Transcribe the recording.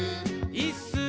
いっすー！